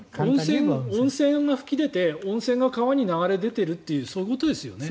温泉が噴き出て温泉が川に流れ出ているというそうですね。